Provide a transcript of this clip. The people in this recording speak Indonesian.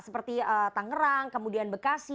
seperti tangerang kemudian bekasi